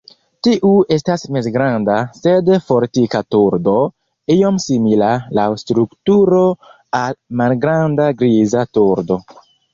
Tiu estas mezgranda sed fortika turdo, iom simila laŭ strukturo al malgranda Griza turdo.